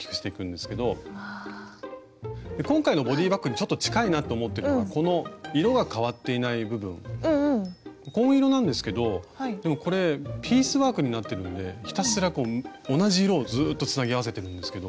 今回のボディーバッグにちょっと近いなって思ってるのがこの色が変わっていない部分紺色なんですけどでもこれピースワークになってるんでひたすら同じ色をずっとつなぎ合わせてるんですけど。